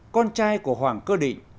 con trai của hoàng cơ định